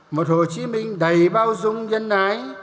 một hồ chí minh đầy bao dung nhân ái